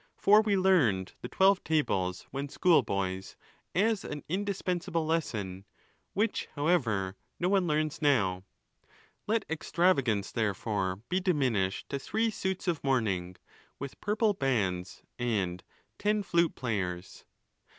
for we learned the Twelve Tables when schoolboys, as an indispensable lesson, which, however, no one learns now. Let extravagance, therefore, be diminished to three suits. of mourning, with purple bands, and ten flute players.